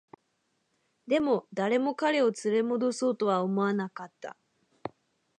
でも、誰も彼を連れ戻そうとは思わなかった